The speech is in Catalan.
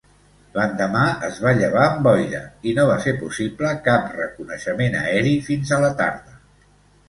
L'endemà es va llevar amb boira i no va ser possible cap reconeixement aeri fins a la tarda.